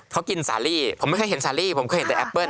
เขากินสาลีผมไม่เคยเห็นสาลีผมเคยเห็นแต่แอปเปิ้